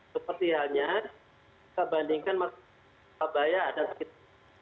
seperti halnya kebandingkan masyarakat kebaya dan sebagainya